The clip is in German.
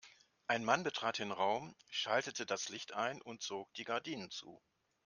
Ein Mann betrat den Raum, schaltete das Licht ein und zog die Gardinen zu.